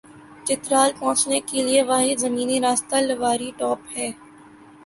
چترال پہنچنے کے لئے واحد زمینی راستہ لواری ٹاپ ہے ۔